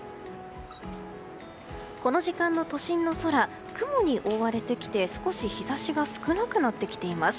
この時間の都心の空雲に覆われてきて少し日差しが少なくなってきています。